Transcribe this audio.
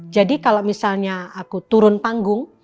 jadi kalau misalnya aku turun panggung